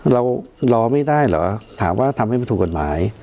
เรารอไม่ได้เหรอถามว่าทำให้มันถูกกฎหมาย